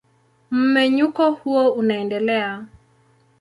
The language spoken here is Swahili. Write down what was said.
Mmenyuko huo unaendelea.